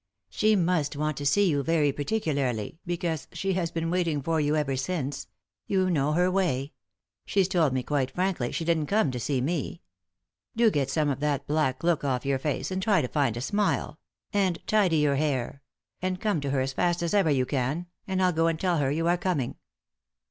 She must want to see you very particularly, because she has been waiting for you ever since — you know her way; she's told me quite frankly she didn't come to see me. Do get some of that black look off your face, and try to find a smile ; and tidy your hair; and come to her as fast as ever you can — and I'll go and tell her you are coming."